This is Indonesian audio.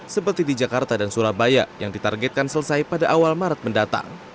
seperti di jakarta dan surabaya yang ditargetkan selesai pada awal maret mendatang